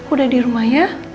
udah di rumah ya